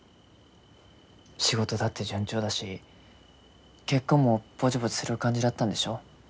仕事だって順調だし結婚もぼちぼちする感じだったんでしょ？